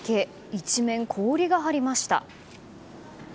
一面、氷が張りました。